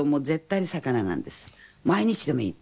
「毎日でもいい」